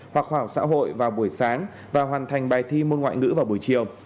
hoặc khoa học xã hội vào buổi sáng và hoàn thành bài thi môn ngoại ngữ vào buổi chiều